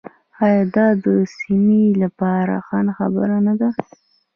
آیا دا د سیمې لپاره ښه خبر نه دی؟